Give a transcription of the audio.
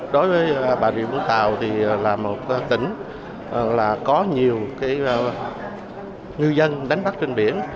đối với bà rịa vũng tàu thì là một tỉnh có nhiều ngư dân đánh bắt trên biển